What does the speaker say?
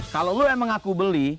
kalo lu emang aku beli